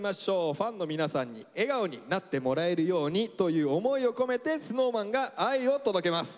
ファンの皆さんに笑顔になってもらえるようにという思いを込めてＳｎｏｗＭａｎが愛を届けます。